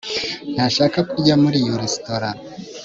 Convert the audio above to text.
ntashaka kurya muri iyo resitora